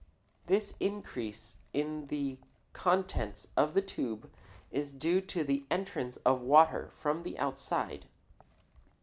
This increase in the contents of the tube is due to the entrance of water from the outside.